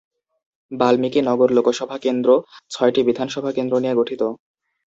বাল্মীকি নগর লোকসভা কেন্দ্র ছয়টি বিধানসভা কেন্দ্র নিয়ে গঠিত।